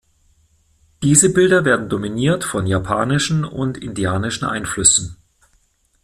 Diese Bilder werden dominiert von japanischen und indianischen Einflüssen.